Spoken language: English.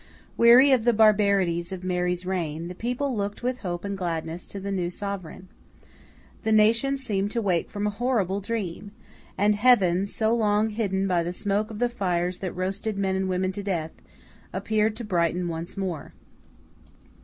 Weary of the barbarities of Mary's reign, the people looked with hope and gladness to the new Sovereign. The nation seemed to wake from a horrible dream; and Heaven, so long hidden by the smoke of the fires that roasted men and women to death, appeared to brighten once more.